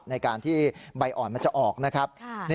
ในการที่ใบอ่อนมันจะออกนะครับ